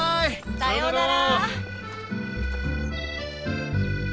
さようなら！